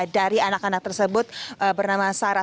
dari anak anak tersebut bernama sarah